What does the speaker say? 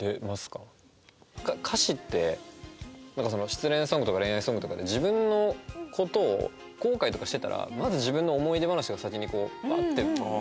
歌詞ってなんか失恋ソングとか恋愛ソングとかで自分の事を後悔とかしてたらまず自分の思い出話が先にこうバッて出るんですけど。